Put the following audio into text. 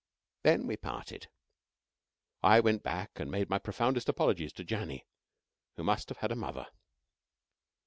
When we parted, I went back and made my profoundest apologies to Janny, who must have had a mother.